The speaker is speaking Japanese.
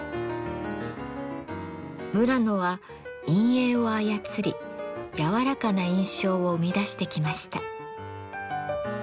村野は陰影を操り柔らかな印象を生み出してきました。